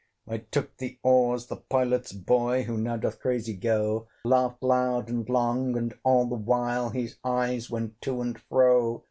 I took the oars: the Pilot's boy, Who now doth crazy go, Laughed loud and long, and all the while His eyes went to and fro.